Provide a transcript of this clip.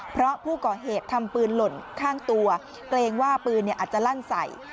เพราะผู้ก่อเหตุทำปืนหล่นข้างตัวเกรงว่าปืนอาจจะลั่นใส่